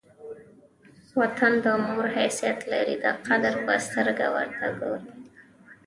وطن د مور حیثیت لري؛ د قدر په سترګه ور ته ګورئ!